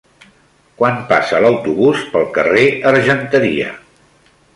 Quan passa l'autobús pel carrer Argenteria?